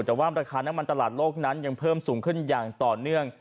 แต่ว่าราคาน้ำมันตลาดโลกนั้นยังเพิ่มสูงขึ้นอย่างต่อเนื่อง